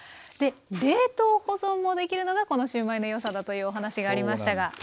で冷凍保存もできるのがこのシューマイの良さだというお話がありましたが。